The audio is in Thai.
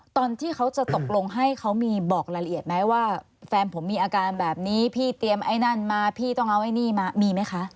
ตอนที่เขาจะตกลงให้เขามีบอกรายละเอียดไหมว่าแฟนผมมีอาการแบบนี้พี่เตรียมไอ้นั่นมาพี่ต้องเอาไอ้นี่มามีไหมคะ